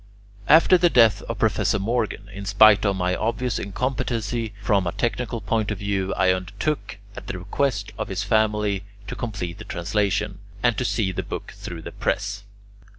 After the death of Professor Morgan, in spite of my obvious incompetency from a technical point of view, I undertook, at the request of his family, to complete the translation, and to see the book through the press.